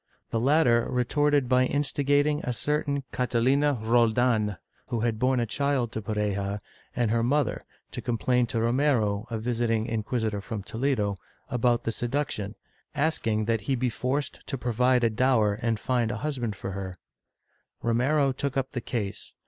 The latter retorted by instigating a certain Catalina Roldan, who had borne a child to Pareja, and her mother, to complain to Romero, a visiting inquisitor from Toledo, about the seduction, asking that he be forced to provide a dower and find a husband for her, Romero took up the case.